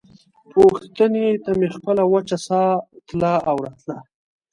پوښتنې ته مې خپله وچه ساه تله او راتله.